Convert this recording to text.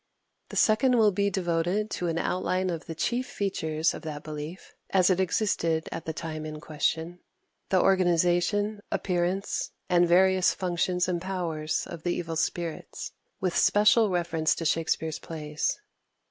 The second will be devoted to an outline of the chief features of that belief, as it existed at the time in question the organization, appearance, and various functions and powers of the evil spirits, with special reference to Shakspere's plays.